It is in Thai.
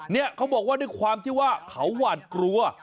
เนี่ยเขาบอกว่าด้วยความที่ว่าเขาหวาดกลัว